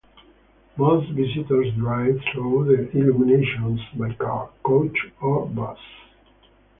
Most visitors drive through the Illuminations by car, coach or bus.